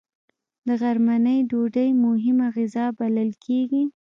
د غرمنۍ ډوډۍ مهمه غذا بلل کېږي